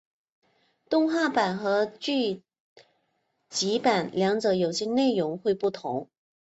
动画版和剧集版两者有些内容会不同。